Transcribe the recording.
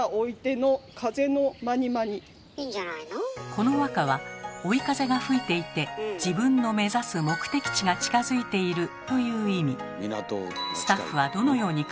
この和歌は「追い風が吹いていて自分の目指す目的地が近づいている」という意味。